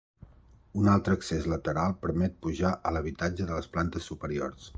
Un altre accés lateral permet pujar a l'habitatge de les plantes superiors.